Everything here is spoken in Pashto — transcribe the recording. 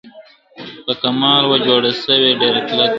په کمال وه جوړه سوې ډېره کلکه !.